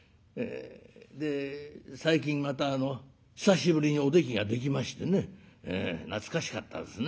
で最近また久しぶりにおできができましてね懐かしかったですね。